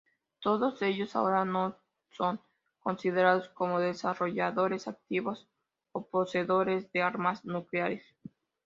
Todos ellos ahora no son considerados como desarrolladores activos o poseedores de armas nucleares.